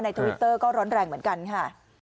ทวิตเตอร์ก็ร้อนแรงเหมือนกันค่ะ